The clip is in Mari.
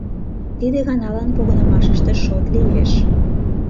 — Тиде ганалан погынымашыште шот лиеш.